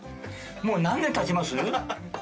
もう何年たちます？